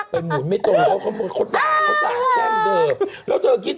ไปหมุนไม่ตรงเขาต่างเขาต่างแช่งเดิม